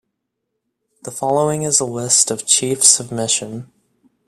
The following is a list of chiefs of mission.